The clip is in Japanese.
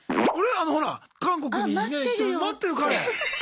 あのほら韓国にね行ってる待ってる彼。